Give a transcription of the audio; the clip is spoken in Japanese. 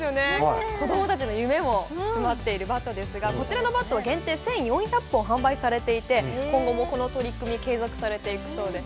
子供たちの夢も詰まっているバットですがこちらのバットは限定１４００本販売されていて、今後もこの取り組み、継続されていくそうです。